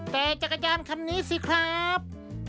แต่จักรยานคันนี้สิครับ